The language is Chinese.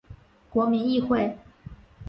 国民议会。